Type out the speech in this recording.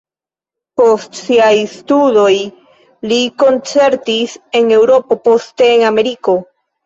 Post siaj studoj li koncertis en Eŭropo, poste en Ameriko.